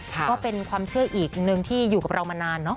ก็เป็นความเชื่ออีกหนึ่งที่อยู่กับเรามานานเนอะ